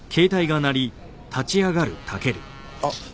あっ。